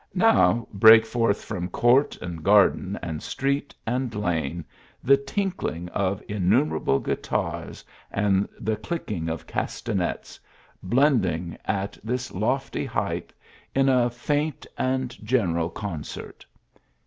Now break forth from court, and garden, and street, and lane, the tink ling of innumerable guitars and the clicking of cas tanets, blending at this lofty height, in a faint and general concert.